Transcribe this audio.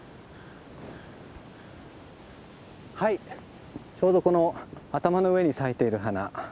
はいちょうどこの頭の上に咲いている花